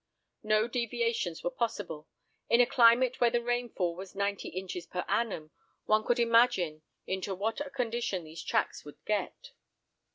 No deviations were possible; in a climate where the rainfall was ninety inches per annum, one could imagine into what a condition these tracks would get.